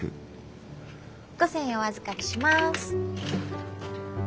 ５千円お預かりします。